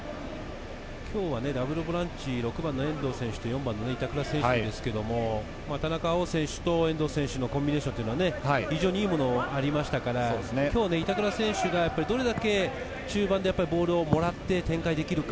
今日はダブルボランチ、遠藤選手と板倉選手ですが、田中碧選手と遠藤選手のコンビネーションは、非常にいいものがありましたから今日、板倉選手がどれだけ中盤でボールをもらって展開できるか。